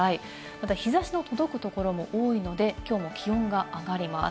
また日差しの届くところも多いので、きょうも気温が上がります。